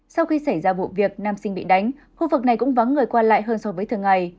sau khi xảy ra vụ việc nam sinh bị đánh khu vực này cũng vắng người qua lại hơn so với thường ngày